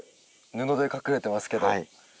布で隠れてますけど。